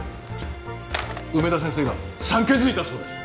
梅田先生が産気づいたそうです！